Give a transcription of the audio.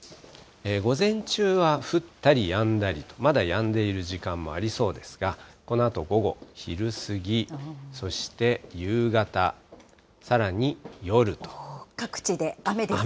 午前中は降ったりやんだり、まだやんでいる時間もありそうですが、このあと午後、昼過ぎ、各地で雨ですね。